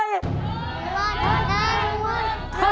นังมัน